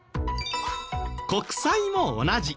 国債も同じ。